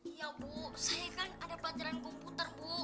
iya bu saya kan ada pajaran komputer bu